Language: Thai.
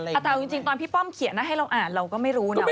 แต่เอาจริงตอนพี่ป้อมเขียนนะให้เราอ่านเราก็ไม่รู้นะ